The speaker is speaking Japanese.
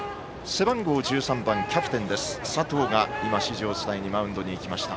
背番号１３番、キャプテン佐藤が、指示を伝えにマウンドに行きました。